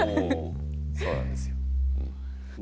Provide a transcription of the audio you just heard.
そうなんですようん。